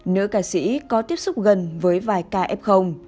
nữ ca sĩ có tiếp xúc gần với vài ca f